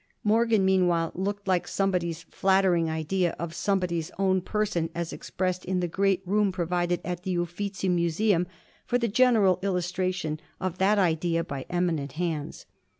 Morgan meanwhile looked like somebody's flattering idea of somebody's own person as expressed in the great room provided at the Uffizi Museum for the general illustration of that idea by eminent hands.